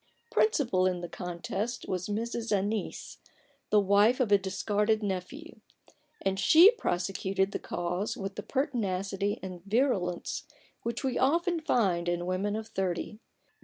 Principal in the contest was Mrs. Annice, the wife of a discarded nephew ; and she prosecuted the cause with the pertinacity and virulence which we often find in women of thirty.